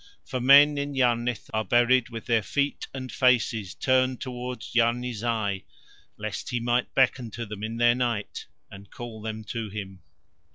For men in Yarnith are buried with their feet and faces turned toward Yarni Zai, lest he might beckon to them in their night and call them to him.